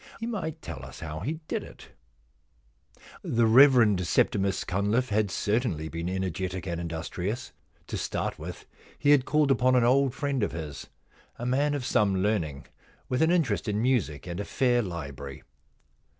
He might tell us how he did it' The Rev. Septimus Cunliffe had certainly been energetic and industrious. To start with he had called upon an old friend of his, a man of some learning, with an interest in 212 The Q Loan Problem music and a fair library.